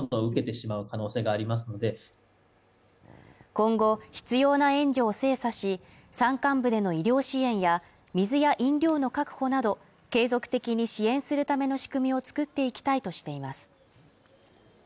今後必要な援助を精査し山間部での医療支援や水や飲料の確保など継続的に支援するための仕組みを作っていきたいとしています